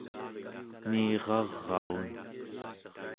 eniraraun